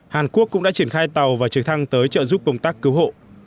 hàn quốc cũng đã triển khai tàu và trực thăng tới trợ giúp công tác cứu hộ